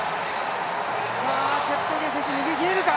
チェプテゲイ選手、逃げ切れるか？